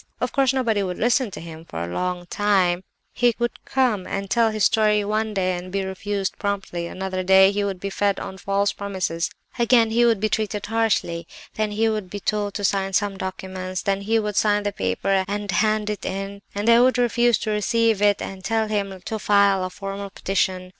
Of course nobody would listen to him for a long time; he would come and tell his story one day and be refused promptly; another day he would be fed on false promises; again he would be treated harshly; then he would be told to sign some documents; then he would sign the paper and hand it in, and they would refuse to receive it, and tell him to file a formal petition.